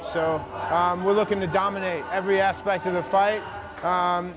jadi kita ingin memperkuat setiap aspek pertandingan ini